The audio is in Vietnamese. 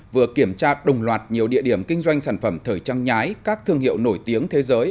vừa kiểm tra đồng loạt nhiều địa điểm kinh doanh sản phẩm thời trang nhái các thương hiệu nổi tiếng thế giới